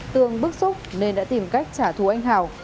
tường bức xúc nên đã tìm cách trả thù anh hảo